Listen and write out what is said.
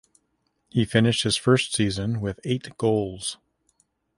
He finished his first season with eight goals.